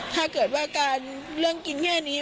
ถ้าเกิดว่าการเรื่องกินแค่นี้